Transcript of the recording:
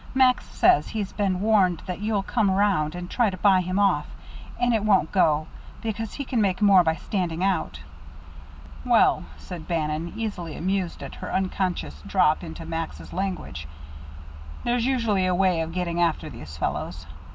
"Max says he's been warned that you'll come around and try to buy him off, and it won't go, because he can make more by standing out." "Well," said Bannon, easily, amused at her unconscious drop into Max's language, "there's usually a way of getting after these fellows.